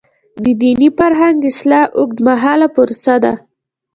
د دیني فرهنګ اصلاح اوږدمهاله پروسه ده.